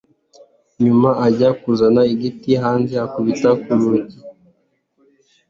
nyuma ajya kuzana igiti hanze akubita kurugi